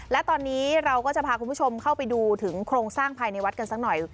และตอนนี้เราก็จะพาคุณผู้ชมเข้าไปดูถึงโครงสร้างภายในวัดกันสักหน่อย